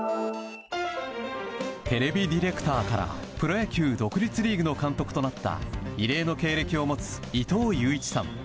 テレビディレクターからプロ野球独立リーグの監督となった異例の経歴を持つ伊藤悠一さん。